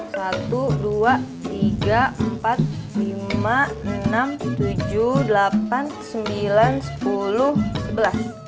satu dua tiga empat lima enam tujuh delapan sembilan sepuluh sebelas